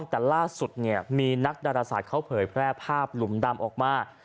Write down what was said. แต่ล่าสุดเนี่ยมีนักดาราศาสตร์เขาเผยแพร่ภาพหลุมดำออกมา